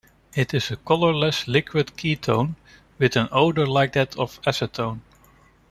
It is a colorless liquid ketone with an odor like that of acetone.